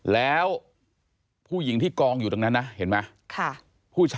แล้วผู้หญิงที่กองอยู่ตรงนั้นนะเห็นไหม